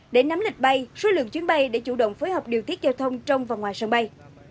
để nắm lịch bay số lượng chuyến bay để chủ động phối hợp điều tiết giao thông trong và ngoài sân bay